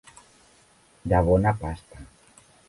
De bona pasta.